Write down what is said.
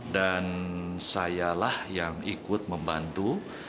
dan sayalah yang ikut membantu